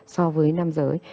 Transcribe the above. so với nam giới